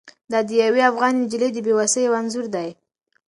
دا د یوې افغانې نجلۍ د بې وسۍ یو انځور دی.